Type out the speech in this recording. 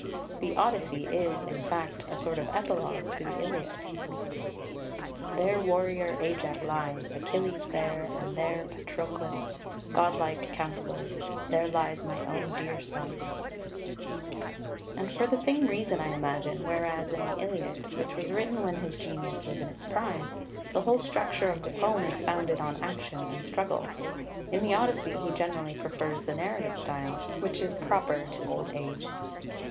The Odyssey is, in fact, a sort of epilogue to the Iliad "There warrior Ajax lies, Achilles there, And there Patroclus, godlike counsellor; There lies my own dear son." [Footnote 8: Od. iii. 109.] 13 And for the same reason, I imagine, whereas in the Iliad, which was written when his genius was in its prime, the whole structure of the poem is founded on action and struggle, in the Odyssey he generally prefers the narrative style, which is proper to old age.